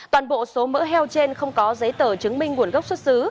toàn bộ số mỡ heo trên không có giấy tờ chứng minh nguồn gốc xuất xứ